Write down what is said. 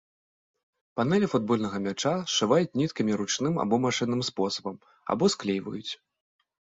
Панэлі футбольнага мяча сшываюць ніткамі ручным або машынным спосабам, або склейваюць.